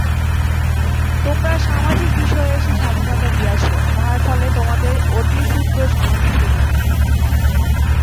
তোমরা সামাজিক বিষয়ে সেই স্বাধীনতা দিয়াছ, তাহার ফলে তোমাদের অতি সুন্দর সামাজিক প্রণালী।